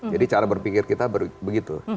jadi cara berpikir kita begitu